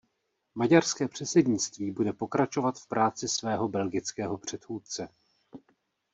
Maďarské předsednictví bude pokračovat v práci svého belgického předchůdce.